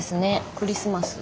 クリスマス。